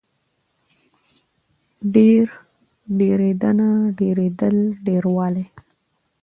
ډېر، ډېرېدنه، ډېرېدل، ډېروالی